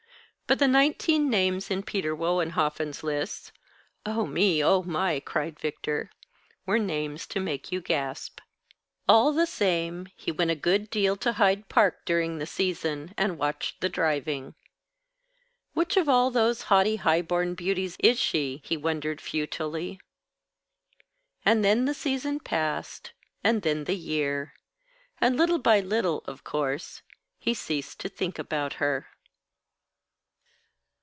But the nineteen names in Peter Wohenhoffen's list ("Oh, me! Oh, my!" cried Victor) were names to make you gasp. All the same, he went a good deal to Hyde Park during the season, and watched the driving. "Which of all those haughty high born beauties is she?" he wondered futilely. And then the season passed, and then the year; and little by little, of course, he ceased to think about her.